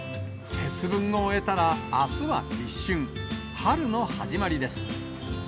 節分を終えたら、あすは立春、春の始まりです。